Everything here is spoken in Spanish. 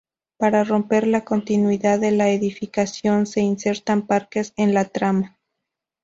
Para romper la continuidad de la edificación, se insertan parques en la trama.